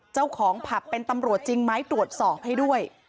เจ้าของผับเป็นตำรวจจริงไหมตรวจสอบให้ด้วย